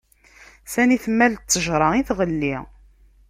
Sani tmal ttejṛa i tɣelli.